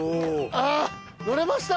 あぁ乗れました！